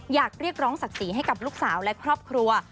อยากเรียกร้องศักดิ์ศรีให้กับลูกสาวและครอบครัว